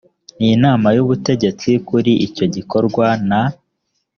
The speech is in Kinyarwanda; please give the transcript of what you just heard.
n inama y ubutegetsi kuri icyo gikorwa na